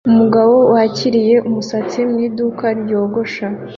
Umugabo wakiriye umusatsi mu iduka ryogosha